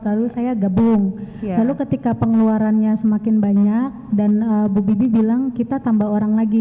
lalu saya gabung lalu ketika pengeluarannya semakin banyak dan bu bibi bilang kita tambah orang lagi